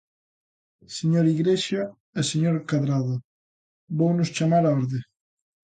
Señor Igrexa e señor Cadrado, vounos chamar á orde.